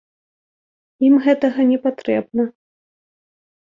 Ім гэтага не патрэбна.